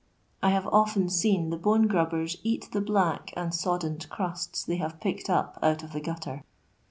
1 have often leen the bone gmbben eat the black and eoddened cnuts they hare picked up out of the gutter.